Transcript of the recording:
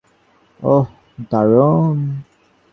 ওহ, দারুন।